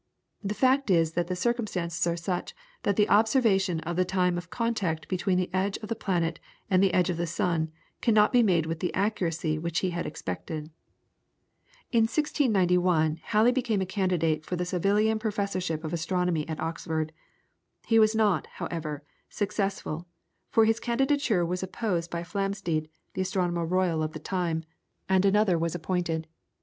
The fact is that the circumstances are such that the observation of the time of contact between the edge of the planet and the edge of the sun cannot be made with the accuracy which he had expected. In 1691, Halley became a candidate for the Savilian Professorship of Astronomy at Oxford. He was not, however, successful, for his candidature was opposed by Flamsteed, the Astronomer Royal of the time, and another was appointed.